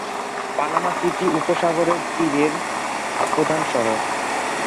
Panama City উপসাগরের তীরের প্রধান শহর।